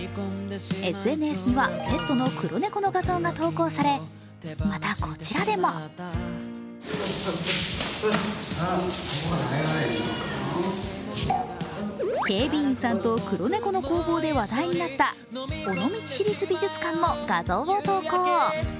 ＳＮＳにはペットの黒猫の画像が投稿され、またこちらでも警備員さんと黒猫の攻防で話題となった尾道市立美術館も画像を投稿。